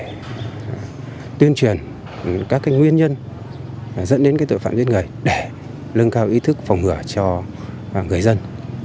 để tuyên truyền các nguyên nhân dẫn đến tội phạm giết người để lưng cao ý thức phòng hửa cho người dân